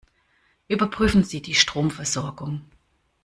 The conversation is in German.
Überprüfen Sie die Stromversorgung.